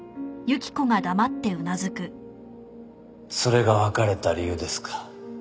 それが別れた理由ですか。